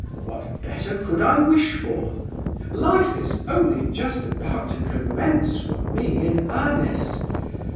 What better could I wish for? Life is only just about to commence for me in earnest.